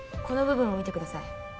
この部分を見てください